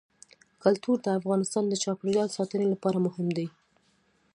کلتور د افغانستان د چاپیریال ساتنې لپاره مهم دي.